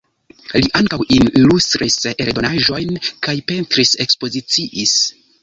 Li ankaŭ ilustris eldonaĵojn kaj pentris-ekspoziciis.